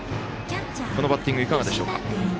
このバッティングいかがでしょうか。